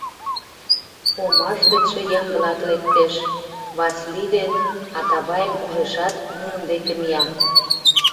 Омаш гычше Ямблат лектеш, Васлий ден Атавайым ужешат, нунын деке мия.